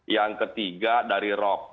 yang ketiga dari rok